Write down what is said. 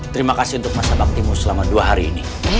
terima kasih untuk masa baktimu selama dua hari ini